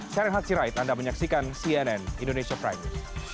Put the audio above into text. saya renhatsi raid anda menyaksikan cnn indonesia prime